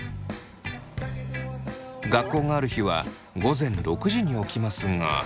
学校がある日は午前６時に起きますが。